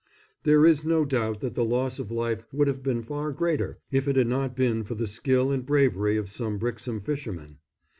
There is no doubt that the loss of life would have been far greater if it had not been for the skill and bravery of some Brixham fishermen.